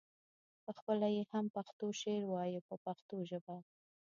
پخپله یې هم پښتو شعر وایه په پښتو ژبه.